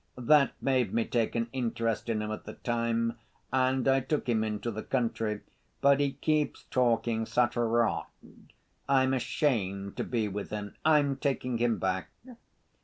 That made me take an interest in him at the time, and I took him into the country, but he keeps talking such rot I'm ashamed to be with him. I'm taking him back."